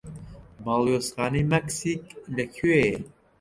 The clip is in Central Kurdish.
باڵیۆزخانەی مەکسیک لەکوێیە؟